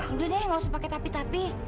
udah deh nggak usah pakai tapi tapi